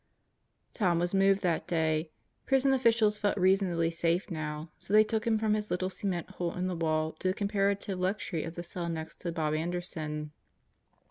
... Tom was moved that day. Prison officials felt reasonably safe now, so they took him from his little cement hole in the wall to the comparative luxury of the cell next to Bob Anderson.